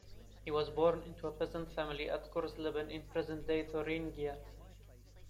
He was born into a peasant family at Gorsleben in present-day Thuringia.